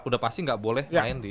udah pasti gak boleh main di